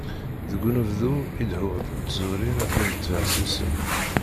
Deg unebdu, idehhu-d d tẓurin akked tbexsisin.